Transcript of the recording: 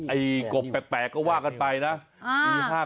ไอ่กบแปลกว่ากันไปนะ